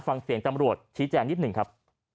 ฟังเสียงตำรวจชี้แจง๒๑ครับ